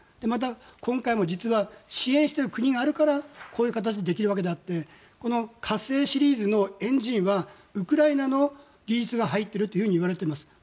また、今回も実は支援している国があるからこういう形でできるわけであって「火星」シリーズのエンジンはウクライナの技術が入っているといわれています。